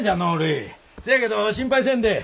せやけど心配せんでええ。